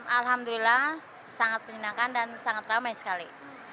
alhamdulillah sangat menyenangkan dan sangat ramai sekali